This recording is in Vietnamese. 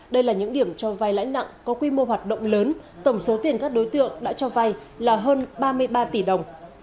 đây là những điểm cho vai lãi nặng có quy mô hoạt động lớn tổng số tiền các đối tượng đã cho vay là hơn ba mươi ba tỷ đồng